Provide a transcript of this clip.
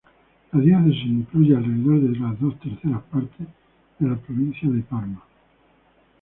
La diócesis incluye alrededor de dos terceras partes de la provincia de Parma.